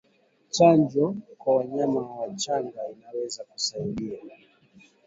Chanjo kwa wanyama wachanga inaweza kusaidia